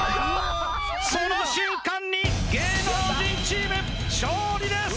その瞬間に芸能人チーム勝利です